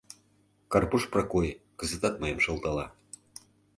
Карпуш Прокой кызытат мыйым шылтала: